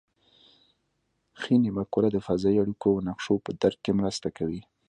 ښي نیمه کره د فضایي اړیکو او نقشو په درک کې مرسته کوي